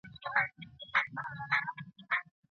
ماشومان بې عیدي نه پاتي کېږي.